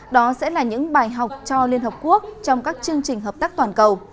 đó sẽ là những bài học cho liên hợp quốc trong các chương trình hợp tác toàn cầu